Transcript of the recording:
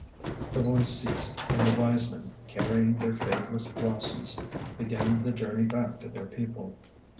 The voice ceased and the wise men, carrying the fadeless blossoms, began the journey back to their people.